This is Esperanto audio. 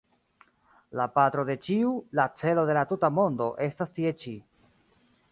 La patro de ĉiu, la celo de la tuta mondo estas tie ĉi.